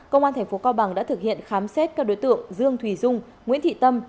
công an tp cao bằng đã thực hiện khám xét các đối tượng dương thùy dung nguyễn thị tâm